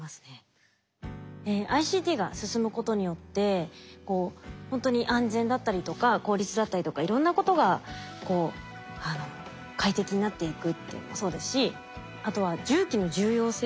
ＩＣＴが進むことによってほんとに安全だったりとか効率だったりとかいろんなことがこう快適になっていくっていうのもそうですしあとは重機の重要性。